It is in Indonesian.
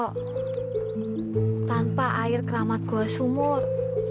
tok tanpa air keramat gua sumur